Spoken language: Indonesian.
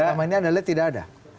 selama ini anda lihat tidak ada